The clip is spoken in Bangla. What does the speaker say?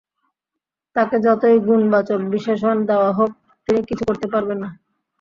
তাঁকে যতই গুণবাচক বিশেষণ দেওয়া হোক, তিনি কিছু করতে পারবেন না।